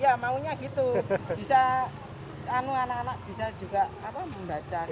iya maunya gitu bisa anak anak bisa juga apa membaca gitu